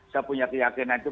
saya punya keyakinan itu